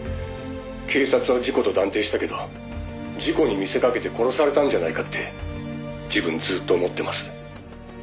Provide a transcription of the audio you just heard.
「警察は事故と断定したけど事故に見せかけて殺されたんじゃないかって自分ずっと思ってます」